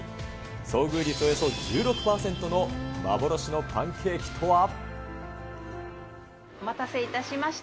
遭遇率およそ１６％の幻のパンケお待たせいたしました。